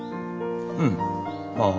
うんまあ。